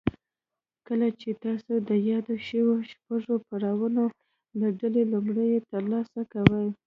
کله چې تاسې د يادو شويو شپږو پړاوونو له ډلې لومړی يې ترسره کوئ.